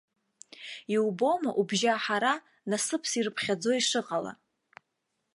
Иубома убжьы аҳара насыԥс ирыԥхьаӡо ишыҟала!